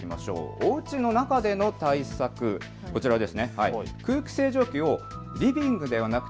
おうちの中での対策、こちらです。